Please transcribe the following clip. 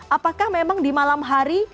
apakah memang di malam hari